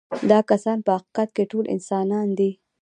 دا کسان په حقیقت کې ټول انسانان دي.